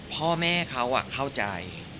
พ่อแม่เขาเข้าใจ